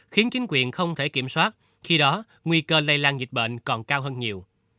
khiến chính quyền không thể kiểm soát khi đó nguy cơ lây lan dịch bệnh còn cao hơn nhiều